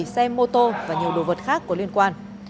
bảy xe mô tô và nhiều đồ vật khác có liên quan